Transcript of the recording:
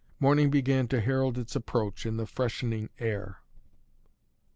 Morning began to herald its approach in the freshening air.